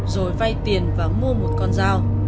rồi vay tiền và mua một con dao